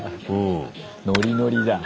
ノリノリだ。